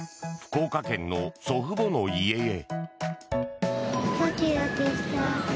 福岡県の祖父母の家へ。